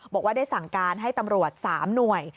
บอกว่าได้สั่งการให้ตำรวจ๓หน่วย